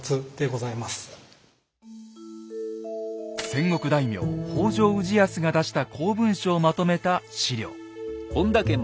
戦国大名北条氏康が出した公文書をまとめた史料。